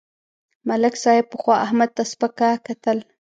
ملک صاحب پخوا احمد ته سپکه کتل.